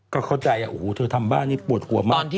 ก็เข้าใจโอ้โหเธอทำบ้านนี่ปวดหัวมาก